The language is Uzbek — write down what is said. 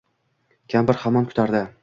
Kampir hamon kutardi